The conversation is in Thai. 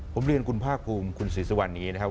ผมเรียนคุณภาคภูมิคุณศรีสุวรรณนี้นะครับ